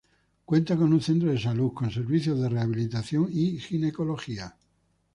Cuenta con un centro de Salud, con servicios de rehabilitación y ginecología.